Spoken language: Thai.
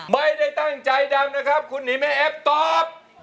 ไม่ได้ตั้งใจดำนะครับคุณนิมแม่เอ็บตอบ